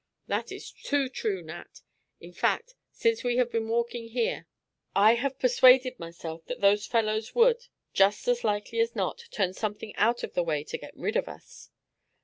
"That is too true, Nat. In fact, since we have been walking here, I have persuaded myself that those fellows would, just as likely as not, turn something out of the way to get rid of us."